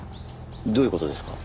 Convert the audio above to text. どういう事ですか？